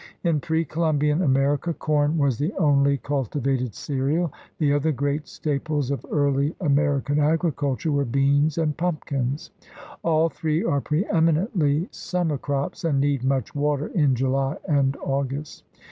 In pre Columbian America corn was the only cultivated cereal. The other great staples of early American agriculture were beans and pumpkins. All three are preeminently summer crops and need much water in July and August.